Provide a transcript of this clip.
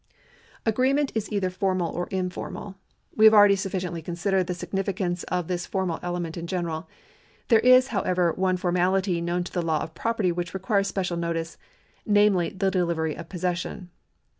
Agreement is either formal or informal. We have already sufficiently considered the significance of this formal clement in general. There is, however, one formality known to the law of property which requires special notice, namely, the dehvery of possession.